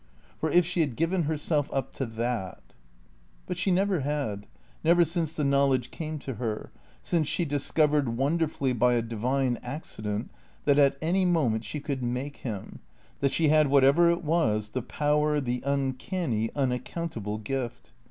For if she had given herself up to that But she never had; never since the knowledge came to her; since she discovered, wonderfully, by a divine accident, that at any moment she could make him that she had whatever it was, the power, the uncanny, unaccountable Gift.